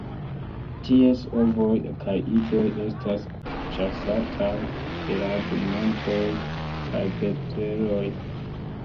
Ties ovoj kaj idoj estas ĉasataj de rabmevoj kaj petreloj.